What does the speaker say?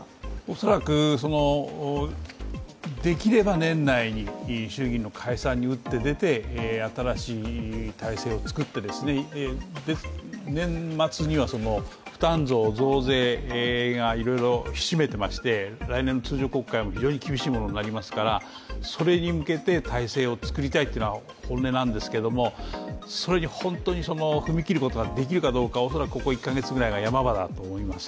恐らくできれば年内に衆議院の解散に打って出て新しい体制を作って、年末には負担増、増税がいろいろひしめいていまして来年の通常国会も非常に厳しいものになりますからそれに向けて体制を作りたいというのが本音なんですけどそれに本当に踏み切ることができるかどうか、恐らくここ１か月ぐらいがヤマ場だと思います。